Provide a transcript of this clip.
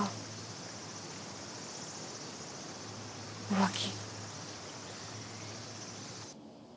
浮気。